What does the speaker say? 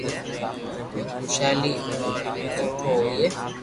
ھين خوݾالي آئئي ھين سٺو ھوئي